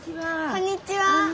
こんにちは。